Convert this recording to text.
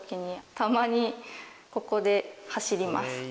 たまにここで走ります。